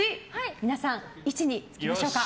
皆さん、位置につきましょうか。